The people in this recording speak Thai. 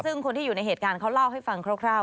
ซึ่งคนที่อยู่ในเหตุการณ์เขาเล่าให้ฟังคร่าว